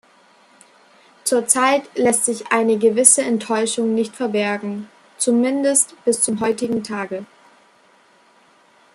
Zurzeit lässt sich eine gewisse Enttäuschung nicht verbergen, zumindest bis zum heutigen Tage.